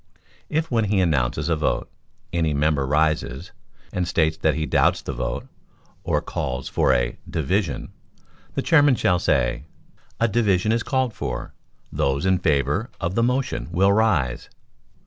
If, when he announces a vote, any member rises and states that he doubts the vote, or calls for a "division," the Chairman shall say, "A division is called for; those in favor of the motion will rise."